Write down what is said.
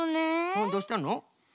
うんどうしたの？